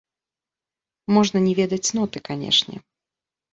Можна не ведаць ноты, канечне.